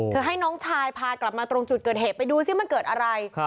ให้น้องชายพากลับมาตรงจุดเกิดเหตุไปดูซิมันเกิดอะไร